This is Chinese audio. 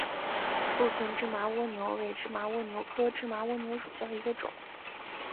鹿村芝麻蜗牛为芝麻蜗牛科芝麻蜗牛属下的一个种。